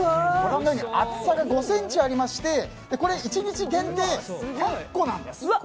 厚さが５ｃｍありましてこれ、１日限定１００個なんです。